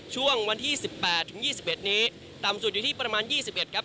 ช่วงวันที่สิบแปดถึงยี่สิบเอ็ดนี้ต่ำสุดอยู่ที่ประมาณยี่สิบเอ็ดครับ